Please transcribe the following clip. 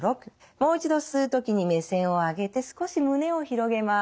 もう一度吸う時に目線を上げて少し胸を広げます。